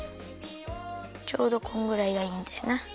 ちょうどこんぐらいがいいんだよな。